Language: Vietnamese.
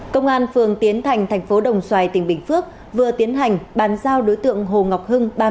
công an phường tiến thành thành phố đồng xoài tỉnh bình phước vừa tiến hành bàn giao đối tượng hồ ngọc hưng